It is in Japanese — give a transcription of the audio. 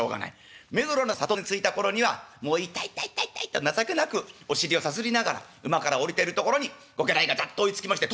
目黒の里に着いた頃にはもう「痛い痛い痛い痛い」と情けなくお尻をさすりながら馬から下りてるところにご家来がざっと追いつきまして。